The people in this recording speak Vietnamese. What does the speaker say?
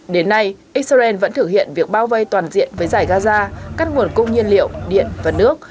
đến nay israel vẫn thực hiện việc bao vây toàn diện với giải gaza cắt nguồn cung nhiên liệu điện và nước